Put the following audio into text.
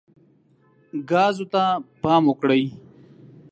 ګازو ته پام وکړئ.